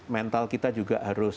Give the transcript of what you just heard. mental kita juga harus